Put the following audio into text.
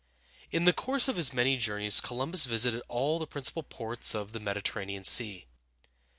In the course of his many journeys Columbus visited all the principal ports of the Mediterranean Sea.